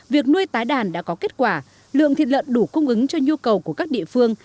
việc nuôi tái đàn đã có kết quả lượng thịt lợn đủ cung ứng cho nhu cầu của các địa phương